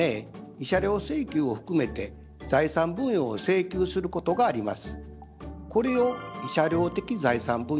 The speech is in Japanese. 慰謝料請求を含めて財産分与を請求することがあります。